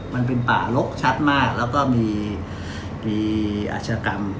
มันเป็นป่าลกชัดมากแล้วก็มีอาชกรรม